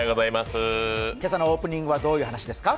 今朝のオープニングはどういう話ですか？